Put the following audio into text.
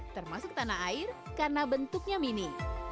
termasuk tanah air karena bentuknya mini